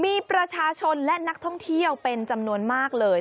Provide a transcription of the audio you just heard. มีประชาชนและนักท่องเที่ยวเป็นจำนวนมากเลย